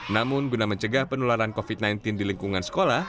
namun guna mencegah penularan covid sembilan belas di lingkungan sekolah